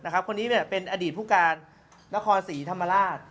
คนนี้เป็นอดีตผู้การนครศรีธรรมราช